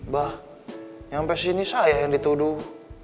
bah sampai sini saya yang dituduh